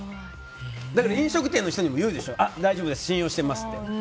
飲食店の人にも言うでしょ大丈夫です、信用してますって。